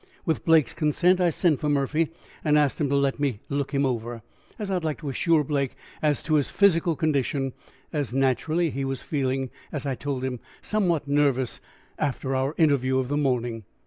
With Blake's consent I sent for Murphy, and asked him to let me look him over, as I would like to assure Blake as to his physical condition, as naturally he was feeling, as I told him, somewhat nervous after our interview of the morning.